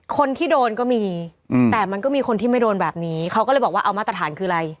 คนที่โดนก็มีแต่มันก็มีคนที่ไม่โดนแบบนี้เขาก็เลยบอกว่าเอามาตรฐานคืออะไร